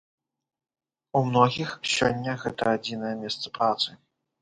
У многіх сёння гэта адзінае месца працы.